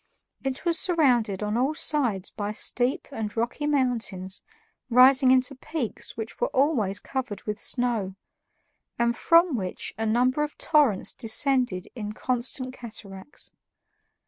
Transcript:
It was surrounded on all sides by steep and rocky mountains rising into peaks which were always covered with snow and from which a number of torrents descended in constant cataracts.